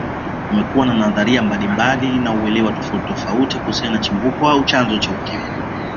Kumekuwa na nadharia mbalimbali na uelewa tofauti tofauti kuhusu Chimbuko au chanzo cha Ukimwi